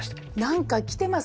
何か来てます